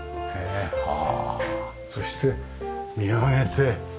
そして見上げて。